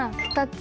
２つ